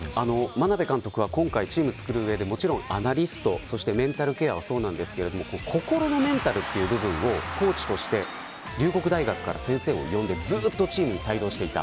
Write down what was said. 眞鍋監督は今回、チームを作る上でもちろんアナリストやメンタルケアはそうなんですが心のメンタルという部分をコーチとして龍谷大学から先生を呼んでずっとチームに帯同していた。